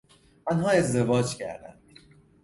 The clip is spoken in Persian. آنها ازدواج کردند.